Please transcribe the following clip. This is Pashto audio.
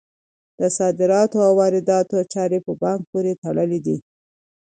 د صادراتو او وارداتو چارې په بانک پورې تړلي دي.